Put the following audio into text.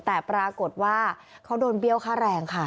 แต่ปรากฏว่าเขาโดนเบี้ยวค่าแรงค่ะ